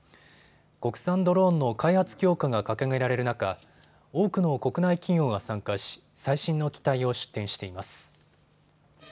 国産ドローンの開発強化が掲げられる中、多くの国内企業が参加し最新の機体を出展しています。